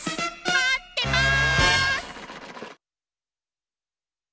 待ってます！